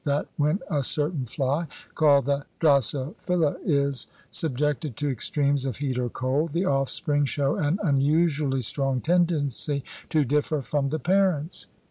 THE FORM OF THE CONTINENT 39 when a certain fly, called the drosophila, is sub jected to extremes of heat or cold, the offspring show an unusually strong tendency to differ from the parents.